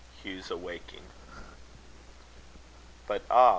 HUGH'S AWAKING. But ah!